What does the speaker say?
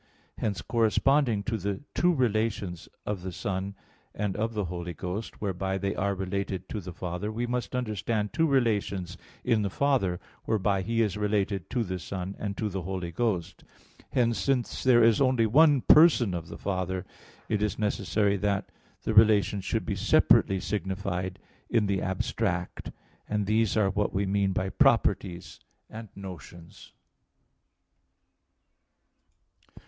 Hence, corresponding to the two relations of the Son and of the Holy Ghost, whereby they are related to the Father, we must understand two relations in the Father, whereby He is related to the Son and to the Holy Ghost. Hence, since there is only one Person of the Father, it is necessary that the relations should be separately signified in the abstract; and these are what we mean by properties and notions.